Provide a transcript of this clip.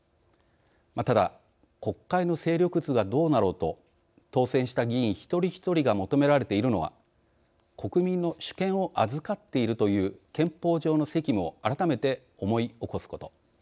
ただ国会の勢力図がどうなろうと当選した議員一人一人にが求められているのは国民の主権を預かっているという憲法上の責務を改めて思い起こすこと。